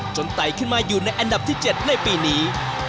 ไต่ขึ้นมาอยู่ในอันดับที่๗ในปีนี้